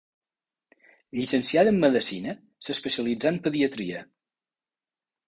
Llicenciada en medicina, s'especialitzà en pediatria.